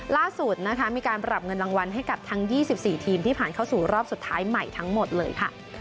ล่าสุดนะคะมีการปรับเงินรางวัลให้กับทั้ง๒๔ทีมที่ผ่านเข้าสู่รอบสุดท้ายใหม่ทั้งหมดเลยค่ะ